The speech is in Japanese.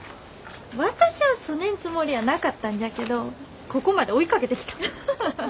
私ゃあそねんつもりゃあなかったんじゃけどここまで追いかけてきた。